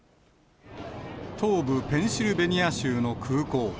東部ペンシルベニア州の空港。